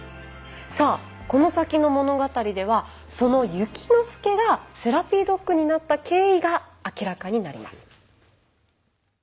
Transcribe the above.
さあこの先の物語ではそのゆきのすけがセラピードッグになった経緯が明らかになります。